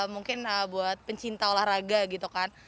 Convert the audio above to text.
mungkin buat pencinta olahraga gitu kan